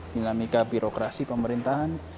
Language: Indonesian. dinamika birokrasi pemerintahan